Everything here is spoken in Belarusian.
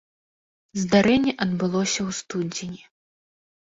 Здарэнне адбылося ў студзені.